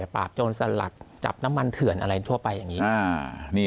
ปราบโจรสลัดจับน้ำมันเถื่อนอะไรทั่วไปอย่างนี้